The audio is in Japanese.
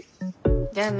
じゃあね。